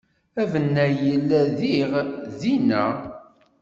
Abennay yella diɣ dinna.